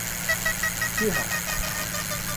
Kî hat?